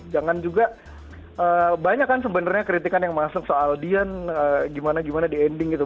jangan juga banyak kan sebenarnya kritikan yang masuk soal dian gimana gimana di ending gitu